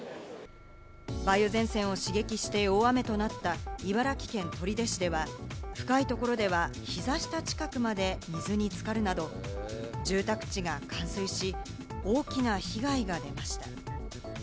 梅雨前線を刺激して大雨となった茨城県取手市では深いところでは膝下近くまで水に浸かるなど住宅地が冠水し、大きな被害が出ました。